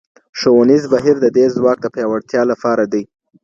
ښوونیز بهیر د دې ځواک د پیاوړتیا لپاره دی.